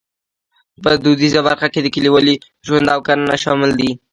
په دودیزه برخه کې کلیوالي ژوند او کرنه شامل دي.